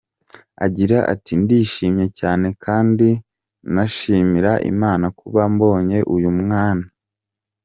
Agira ati “Ndishimye cyane kandi nkanashimira Imana kuba mbonye uyu mwana.